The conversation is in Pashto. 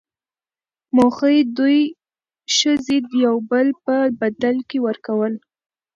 موخۍ، دوې ښځي يو دبل په بدل کي ورکول.